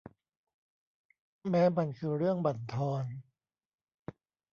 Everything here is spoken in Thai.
แม้มันคือเรื่องบั่นทอน